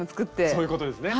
そういうことですね。